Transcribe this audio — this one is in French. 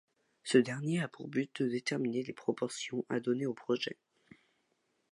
Ce dernier a pour but de déterminer les proportions à donner au projet.